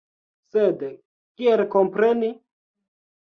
Sed kiel kompreni?